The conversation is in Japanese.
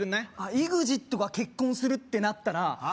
ＥＸＩＴが結婚するってなったらはあ？